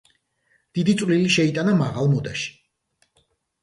დიდი წვლილი შეიტანა მაღალ მოდაში.